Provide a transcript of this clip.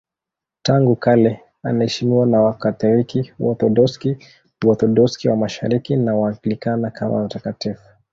Tangu kale anaheshimiwa na Wakatoliki, Waorthodoksi, Waorthodoksi wa Mashariki na Waanglikana kama mtakatifu.